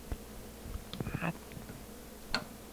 Her PhD was supervised by Steve Brooks.